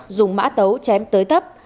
dùng mã tấu chém tới tấp